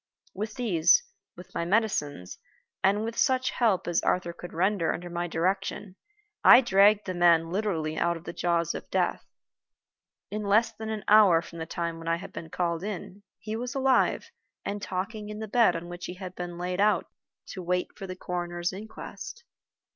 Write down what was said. With these, with my medicines, and with such help as Arthur could render under my direction, I dragged the man literally out of the jaws of death. In less than an hour from the time when I had been called in, he was alive and talking in the bed on which he had been laid out to wait for the coroner's inquest.